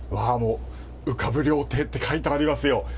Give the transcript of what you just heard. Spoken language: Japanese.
浮かぶ料亭と書いてありますよ。